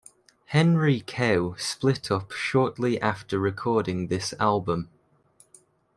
Henry Cow split up shortly after recording this album.